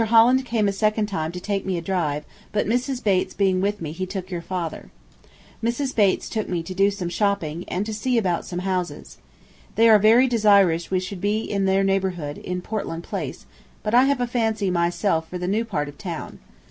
Holland came a second time to take me a drive, but Mrs. Bates being with me he took your father. Mrs. Bates took me to do some shopping, and to see about some houses. They are very desirous we should be in their neighborhood, in Portland Place, but I have a fancy myself for the new part of town.